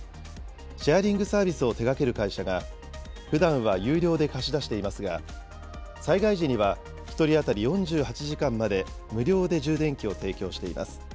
シェアリングサービスを手がける会社が、ふだんは有料で貸し出していますが、災害時には１人当たり４８時間まで無料で充電器を提供しています。